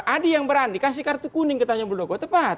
ada yang berani kasih kartu kuning